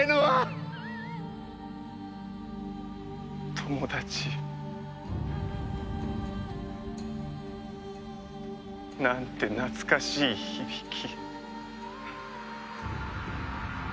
友達。なんて懐かしい響き。